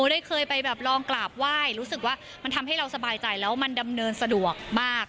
ได้เคยไปแบบลองกราบไหว้รู้สึกว่ามันทำให้เราสบายใจแล้วมันดำเนินสะดวกมาก